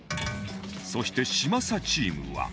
そして嶋佐チームは